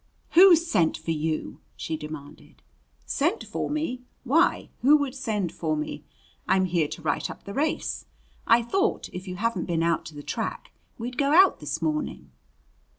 "Who sent for you?" she demanded. "Sent for me! Why, who would send for me? I'm here to write up the race. I thought, if you haven't been out to the track, we'd go out this morning."